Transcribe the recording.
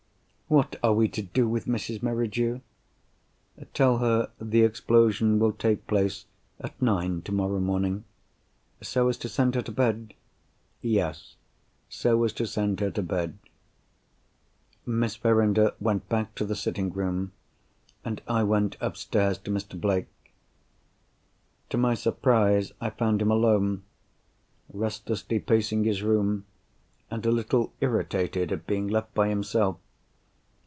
"What are we to do with Mrs. Merridew?" "Tell her the explosion will take place at nine tomorrow morning." "So as to send her to bed?" "Yes—so as to send her to bed." Miss Verinder went back to the sitting room, and I went upstairs to Mr. Blake. To my surprise I found him alone; restlessly pacing his room, and a little irritated at being left by himself.